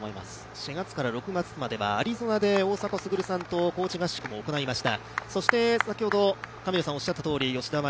４月から６月まではアリゾナで大迫傑さんと高地合宿を行いました。